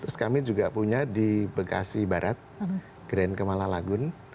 terus kami juga punya di bekasi barat grand kemala lagun